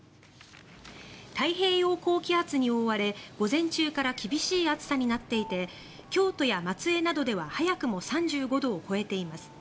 太平洋高気圧に覆われ午前中から厳しい暑さになっていて京都や松江などでは早くも３５度を超えています。